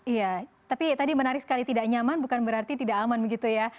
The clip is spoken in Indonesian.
iya tapi tadi menarik sekali tidak nyaman bukan berarti tidak aman begitu ya